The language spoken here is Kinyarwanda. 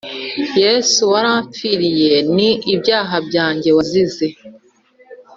Yesu warampfiriye ni ibyaha byanjye wazize